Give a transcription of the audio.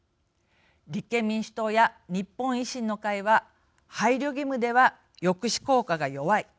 立憲民主党や日本維新の会は配慮義務では抑止効果が弱い。